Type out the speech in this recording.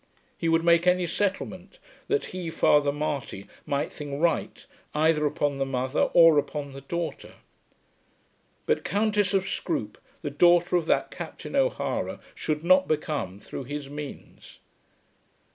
He would make any settlement that he, Father Marty, might think right either upon the mother or upon the daughter. But Countess of Scroope the daughter of that Captain O'Hara should not become through his means.